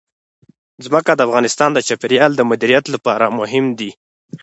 ځمکه د افغانستان د چاپیریال د مدیریت لپاره مهم دي.